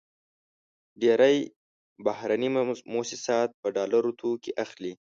ډېری بهرني موسسات په ډالرو توکې اخلي.